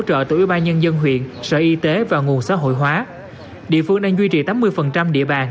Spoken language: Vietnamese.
hỗ trợ từ ủy ban nhân dân huyện sở y tế và nguồn xã hội hóa địa phương đang duy trì tám mươi địa bàn